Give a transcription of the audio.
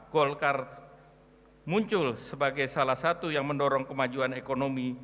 golkar muncul sebagai salah satu yang mendorong kemajuan ekonomi